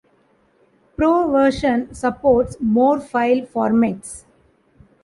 Pro version supports more file formats.